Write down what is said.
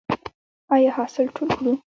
آیا حاصل ټول کړو؟